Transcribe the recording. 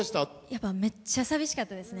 やっぱめっちゃ寂しかったですね。